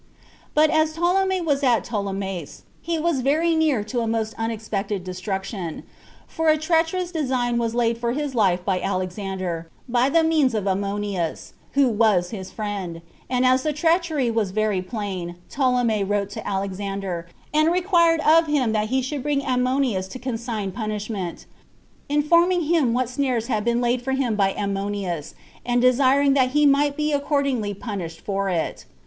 6. But as Ptolemy was at Ptolemais, he was very near to a most unexpected destruction; for a treacherous design was laid for his life by Alexander, by the means of Ammonius, who was his friend; and as the treachery was very plain, Ptolemy wrote to Alexander, and required of him that he should bring Ammonius to condign punishment, informing him what snares had been laid for him by Ammonius, and desiring that he might be accordingly punished for it.